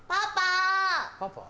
パパ！